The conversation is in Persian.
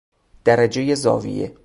درجه زاویه